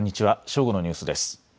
正午のニュースです。